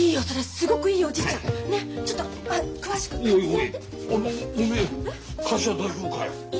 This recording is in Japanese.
おめえ会社は大丈夫かい？